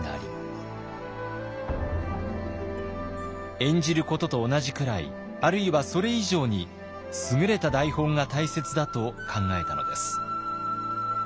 演じることと同じくらいあるいはそれ以上に優れた台本が大切だと考えたのです。